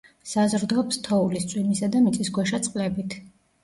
საზრდოობს თოვლის, წვიმისა და მიწისქვეშა წყლებით.